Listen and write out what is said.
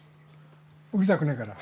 売りたくないから。